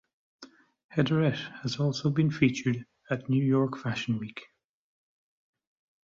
Heatherette has also been featured at New York Fashion Week.